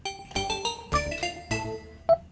kita pasti mau tidur di tempat itu